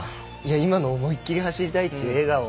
今の思いっきり走りたいという笑顔。